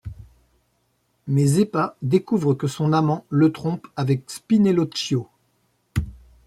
Mais Zeppa découvre que son amant le trompe avec Spinelloccio.